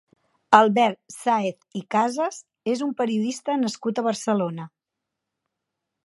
Albert Sáez i Casas és un periodista nascut a Barcelona.